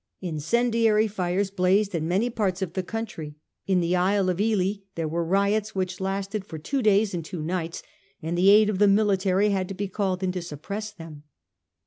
Incendiary fires blazed in many parts of the country. In the Isle of Ely there were riots which lasted for two days and two nights, and the aid of the military had to be called in to suppress them.